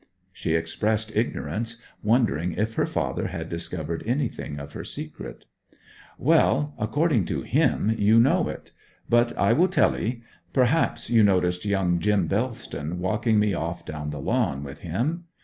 She expressed ignorance, wondering if her father had discovered anything of her secret. 'Well, according to him you know it. But I will tell 'ee. Perhaps you noticed young Jim Bellston walking me off down the lawn with him?